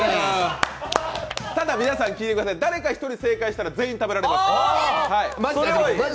ただ皆さん聞いてください誰か１人正解したら全員食べられます。